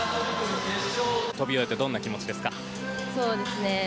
跳び終えてどんな気持ちですか？